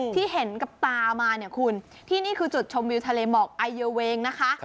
ที่เห็นกับตามาเนี่ยคุณที่นี่คือจุดชมวิวทะเลหมอกไอเยอเวงนะคะ